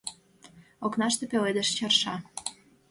Окнаште пеледыш, чарша.